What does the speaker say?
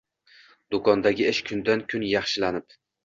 Do'kondagi ish kundan-kun yaxshilanib